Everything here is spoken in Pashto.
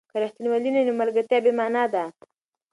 که ریښتینولي نه وي، نو ملګرتیا بې مانا ده.